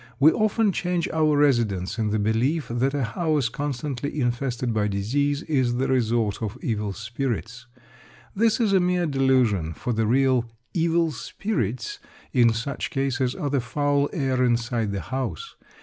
We often change our residence in the belief that a house constantly infested by disease is the resort of evil spirits. This is a mere delusion, for the real "evil spirits" in such cases are the foul air inside the house.